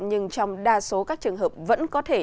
nhưng trong đa số các trường hợp vẫn có thể